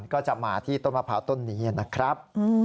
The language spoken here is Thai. ก็จะมาที่ต้นมะพร้าวต้นนี้นะครับ